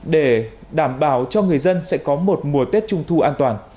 để đảm bảo cho người dân sẽ có một mùa tết trung thu an toàn